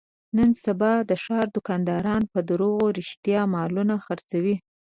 نن سبا د ښاردوکانداران په دروغ رښتیا مالونه خرڅوي.